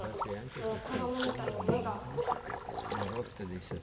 あの子供みたいな笑顔。